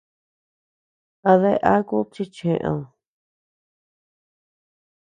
¿A dea akud chi cheʼed?